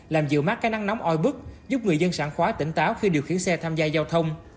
làm dựa mắt cái nắng nóng oi bức giúp người dân sẵn khoái tỉnh táo khi điều khiển xe tham gia giao thông